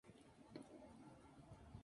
Ficha y obra de Milo Beretta en autores.uy